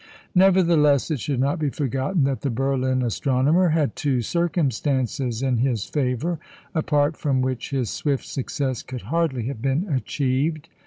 Nevertheless, it should not be forgotten that the Berlin astronomer had two circumstances in his favour apart from which his swift success could hardly have been achieved.